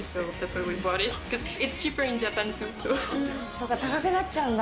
そうか、高くなっちゃうんだ。